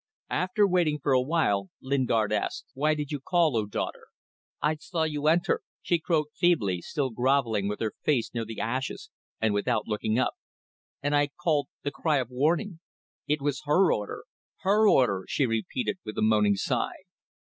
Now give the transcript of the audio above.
After waiting for awhile, Lingard asked "Why did you call, O daughter?" "I saw you enter," she croaked feebly, still grovelling with her face near the ashes and without looking up, "and I called the cry of warning. It was her order. Her order," she repeated, with a moaning sigh.